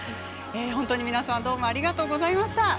本当に皆さんどうもありがとうございました。